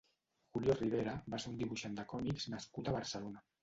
Julio Ribera va ser un dibuixant de còmics nascut a Barcelona.